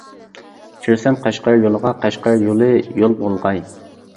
كىرسەم قەشقەر يولىغا، قەشقەر يولى يول بولغاي.